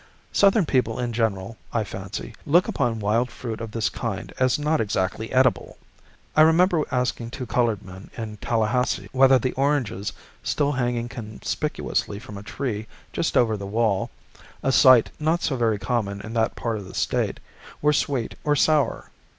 Southern people in general, I fancy, look upon wild fruit of this kind as not exactly edible. I remember asking two colored men in Tallahassee whether the oranges still hanging conspicuously from a tree just over the wall (a sight not so very common in that part of the State) were sweet or sour.